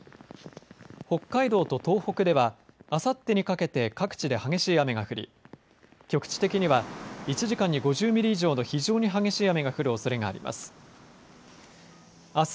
北海道と東北ではあさってにかけて各地で激しい雨が降り局地的には１時間に５０ミリ以上の非常に激しい雨が降るおそれがあります。